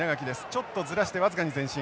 ちょっとずらして僅かに前進。